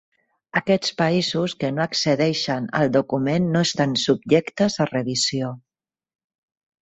Aquests països que no accedeixen al document no estan subjectes a revisió.